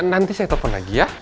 nanti saya telepon lagi ya